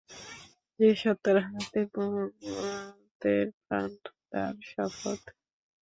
যে সত্তার হাতে মুহাম্মদের প্রাণ, তাঁর শপথ!